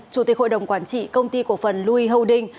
chủ tịch hội đồng quản trị công ty cổ phần louis houding